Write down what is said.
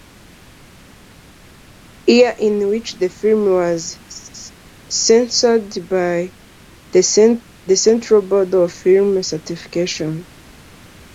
Year in which the film was censored by the Central Board of Film Certification.